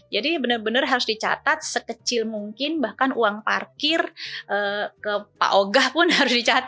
jadi benar benar harus dicatat sekecil mungkin bahkan uang parkir ke pak ogah pun harus dicatat